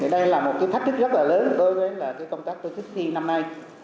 đây là một cái thách thức rất là lớn với công tác tổ chức thi năm nay